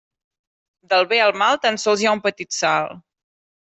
Del bé al mal tan sols hi ha un petit salt.